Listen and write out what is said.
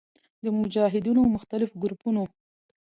د مجاهدینو مختلف ګروپونو